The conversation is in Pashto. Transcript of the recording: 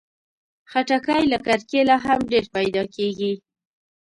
خټکی له کرکيله هم ډېر پیدا کېږي.